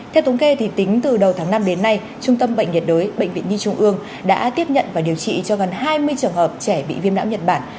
theo thống kê tính từ đầu tháng năm đến nay trung tâm bệnh nhiệt đới bệnh viện nhi trung ương đã tiếp nhận và điều trị cho gần hai mươi trường hợp trẻ bị viêm não nhật bản